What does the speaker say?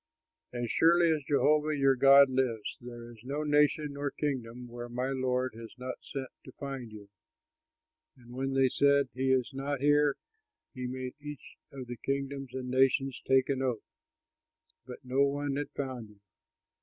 As surely as Jehovah your God lives, there is no nation nor kingdom where my lord has not sent to find you; and when they said, 'He is not here,' he made each of the kingdoms and nations take an oath, that no one had found you.